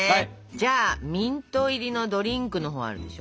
じゃあミント入りのドリンクのほうあるでしょ？